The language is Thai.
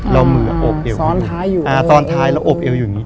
แล้วมืออบเอวอยู่